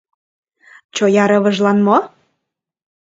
Чоя рывыжлан мо?